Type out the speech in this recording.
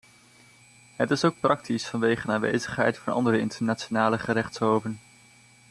Het is ook praktisch vanwege de aanwezigheid van andere internationale gerechtshoven.